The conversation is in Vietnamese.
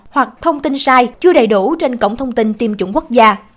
hoặc thông tin sai chưa đầy đủ trên cổng thông tin tiêm chủng quốc gia